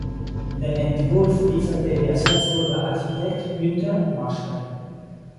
Den Entwurf lieferte der Salzburger Architekt Günther Marschall.